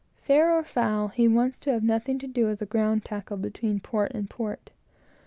Fair or foul, he wants to have nothing to do with the ground tackle between port and port.